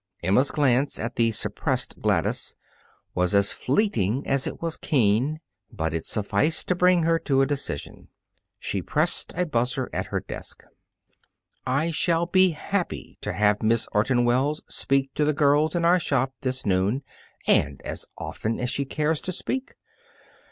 Emma's glance at the suppressed Gladys was as fleeting as it was keen, but it sufficed to bring her to a decision. She pressed a buzzer at her desk. "I shall be happy to have Miss Orton Wells speak to the girls in our shop this noon, and as often as she cares to speak.